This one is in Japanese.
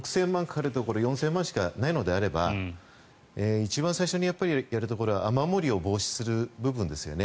かかるところで４０００万しかないのであれば一番最初にやるところは雨漏りを防止する部分ですよね。